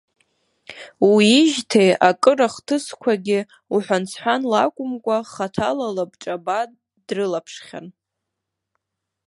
Уиижьҭеи акыр ахҭысқәагьы, уҳәан-сҳәанла акәымкәа, хаҭала лабҿаба дрылаԥшхьан.